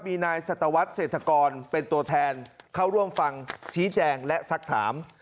มีนายสัตวรรษเศรษฐกรเป็นตัวแทนเข้าร่วมฟังชี้แจงและสักถาม